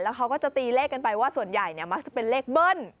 เขาก็จะตีเลขกันไปว่าส่วนใหญ่มักจะเป็นเลขเบิ้ล